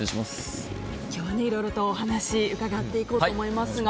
今日、いろいろとお話伺っていこうと思いますが。